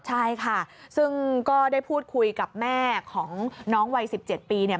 ใช่ค่ะซึ่งก็ได้พูดคุยกับแม่ของน้องวัย๑๗ปีเนี่ย